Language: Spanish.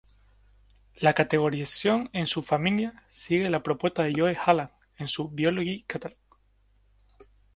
La categorización en subfamilias sigue las propuestas de Joel Hallan en su "Biology Catalog".